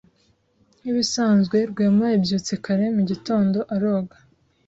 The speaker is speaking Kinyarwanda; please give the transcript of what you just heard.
Nkibisanzwe, Rwema yabyutse kare mu gitondo aroga.